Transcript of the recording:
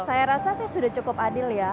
saya rasa sih sudah cukup adil ya